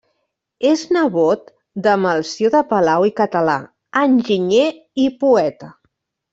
És nebot de Melcior de Palau i Català, enginyer i poeta.